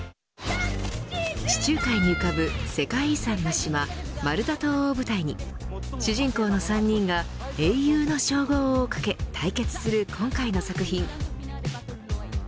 地中海に浮かぶ世界遺産の島マルタ島を舞台に主人公の３人が英雄の称号を懸け対決する今回の作品。